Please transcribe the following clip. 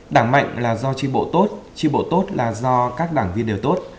đảng mạnh là do tri bộ tốt tri bộ tốt là do các đảng viên đều tốt